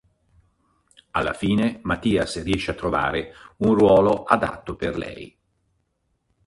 Alla fine Mathias riesce a trovare un ruolo adatto per lei.